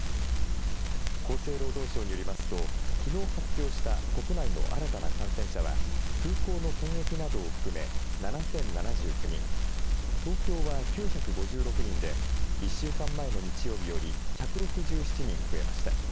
厚生労働省によりますと、きのう発表した国内の新たな感染者は、空港の検疫などを含め、７０７９人、東京は９５６人で１週間前の日曜日より１６７人増えました。